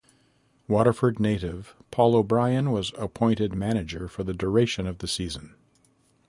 Waterford native, Paul O'Brien was appointed manager for the duration of the season.